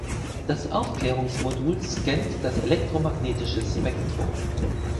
Das Aufklärungsmodul scannt das elektromagnetische Spektrum.